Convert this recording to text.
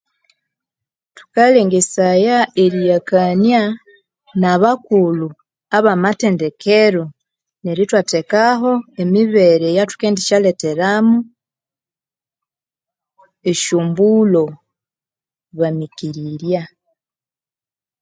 Thukalengesaya eriyakania nabakulhu abamathendekero neryo ithwathekaho emibere eyathukendisyaletheramu esyo mbulho bamikirirya.